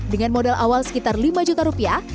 dengan modal awal sekitar lima juta rupiah